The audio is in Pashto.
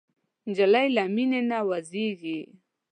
نجلۍ له مینې نه وږيږي.